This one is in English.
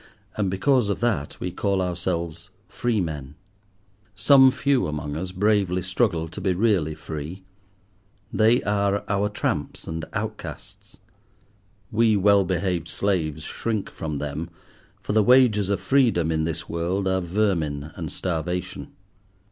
And because of that, we call ourselves free men. Some few among us bravely struggle to be really free: they are our tramps and outcasts. We well behaved slaves shrink from them, for the wages of freedom in this world are vermin and starvation.